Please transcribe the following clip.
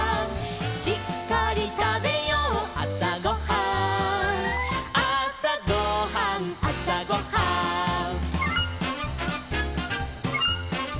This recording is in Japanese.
「しっかりたべようあさごはん」「あさごはんあさごはん」